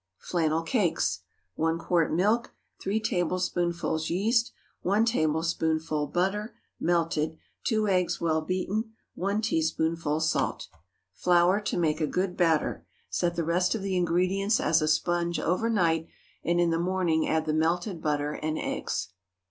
FLANNEL CAKES. ✠ 1 quart milk. 3 tablespoonfuls yeast. 1 tablespoonful butter, melted. 2 eggs, well beaten. 1 teaspoonful salt. Flour to make a good batter. Set the rest of the ingredients as a sponge over night, and in the morning add the melted butter and eggs.